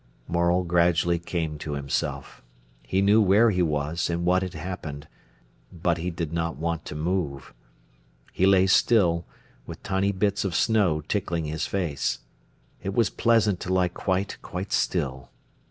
Morel gradually came to himself. He knew where he was and what had happened, but he did not want to move. He lay still, with tiny bits of snow tickling his face. It was pleasant to lie quite, quite still.